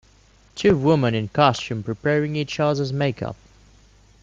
Two women in costume preparing each others makeup